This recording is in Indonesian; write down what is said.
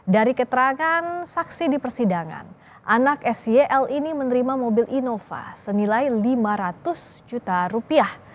dari keterangan saksi di persidangan anak syl ini menerima mobil innova senilai lima ratus juta rupiah